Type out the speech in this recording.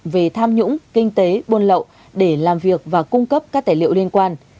về tham nhũng kinh tế buôn lậu để làm việc và cung cấp các tài liệu liên quan